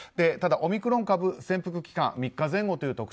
ただオミクロン株潜伏期間３日前後という